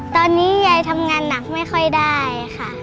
ตอนนี้ยายทำงานหนักไม่ค่อยได้ค่ะ